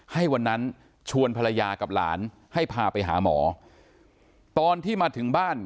ให้วันนั้นชวนภรรยากับหลานให้พาไปหาหมอตอนที่มาถึงบ้าน